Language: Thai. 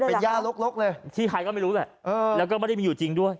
เป็นย่าลกเลยที่ใครก็ไม่รู้แหละแล้วก็ไม่ได้มีอยู่จริงด้วย